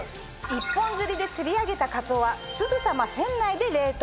一本釣りで釣り上げたかつおはすぐさま船内で冷凍。